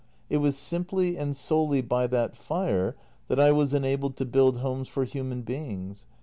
] It was simply and solely by that fire that I was enabled to build homes for human beings.